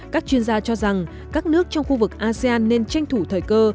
các chuyên gia cho rằng các nước trong khu vực asean nên tranh thủ thời cơ